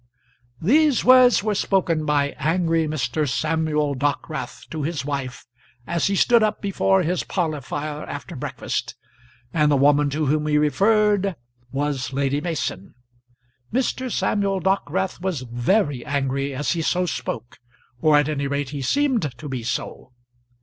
These words were spoken by angry Mr. Samuel Dockwrath to his wife, as he stood up before his parlour fire after breakfast, and the woman to whom he referred was Lady Mason. Mr. Samuel Dockwrath was very angry as he so spoke, or at any rate he seemed to be so.